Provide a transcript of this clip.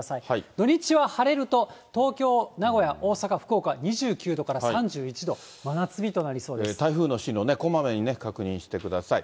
土日は晴れると、東京、名古屋、大阪、福岡、２９度から３１度、台風の進路ね、こまめに確認してください。